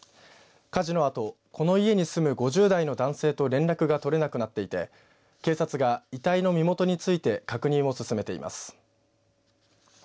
火事のあとこの家に住む５０代の男性と連絡が取れなくなっていて警察が遺体の身元について確認を進めています。